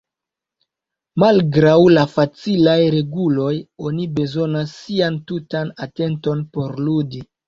Malgraŭ la facilaj reguloj, oni bezonas sian tutan atenton por ludi.